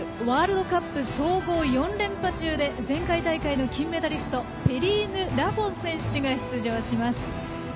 ワールドカップ総合４連覇中で前回大会の金メダリストペリーヌ・ラフォン選手が出場します。